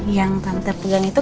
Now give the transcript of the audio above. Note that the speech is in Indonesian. yang tante pegang itu